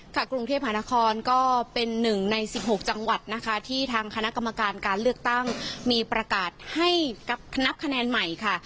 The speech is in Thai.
กรุงเทพหานครก็เป็นหนึ่งใน๑๖จังหวัดนะคะที่ทางคณะกรรมการการเลือกตั้งมีประกาศให้นับคะแนนใหม่ค่ะ